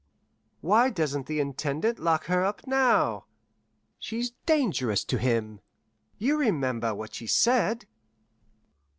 "Why doesn't the Intendant lock her up now? She's dangerous to him. You remember what she said?"